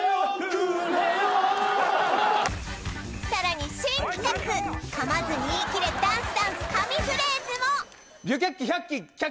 さらに新企画噛まずに言い切れダンスダンスかみフレーズも！